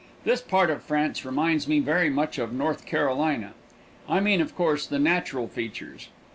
This part of France reminds me very much of North Carolina. I mean, of course, the natural features.